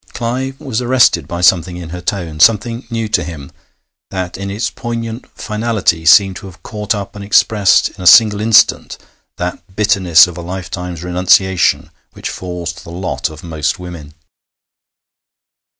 Clive was arrested by something in her tone, something new to him, that in its poignant finality seemed to have caught up and expressed in a single instant that bitterness of a lifetime's renunciation which falls to the lot of most women.